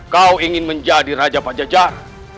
kau ingin menjadi raja pajajar